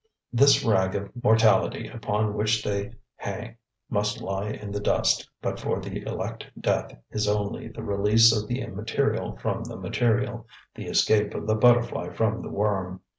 This rag of mortality upon which they hang must lie in the dust, but for the elect death is only the release of the immaterial from the material, the escape of the butterfly from the worm.